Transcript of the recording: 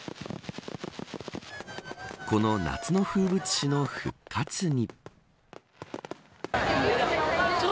この夏の風物詩の復活に。